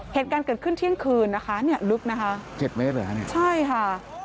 เหตุการณ์เกิดขึ้นเที่ยงคืนนะคะเนี่ยลึกนะคะเจ็ดเมตรเหรอคะเนี่ยใช่ค่ะ